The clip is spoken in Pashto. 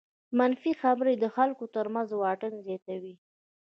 منفي خبرې د خلکو تر منځ واټن زیاتوي.